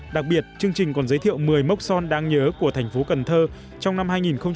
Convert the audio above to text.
đặc biệt chương trình còn giới thiệu một mươi mốc son đáng nhớ của thành phố cần thơ trong năm hai nghìn một mươi chín